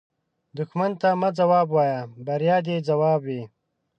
دښمن ته مه ځواب وایه، بریا دې ځواب وي